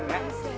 ini baru bukun